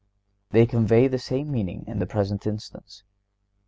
(127) They convey the same meaning in the present instance.